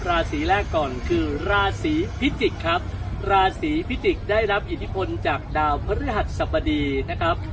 ราศีแรกก่อนคือราศีพิจิกครับราศีพิจิกษ์ได้รับอิทธิพลจากดาวพฤหัสสบดีนะครับ